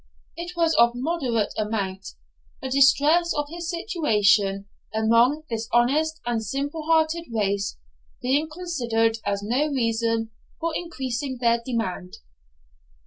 It was of moderate amount; the distress of his situation, among this honest and simple hearted race, being considered as no reason for increasing their demand.